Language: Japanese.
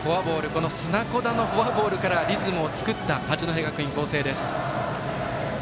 この砂子田のフォアボールからリズムを作った八戸学院光星です。